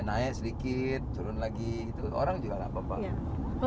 ya naik sedikit turun lagi orang juga gak apa apa